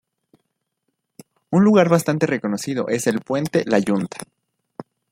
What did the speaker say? Un lugar bastante reconocido es el Puente La Yunta.